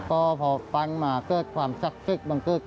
ก็พอปั๊งมาเกิดความชักษิตบังเกิด